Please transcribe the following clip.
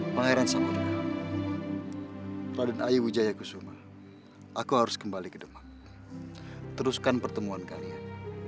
pangeran sama dengan raden ayyuh wujayyaku sumal aku harus kembali ke demak teruskan pertemuan kalian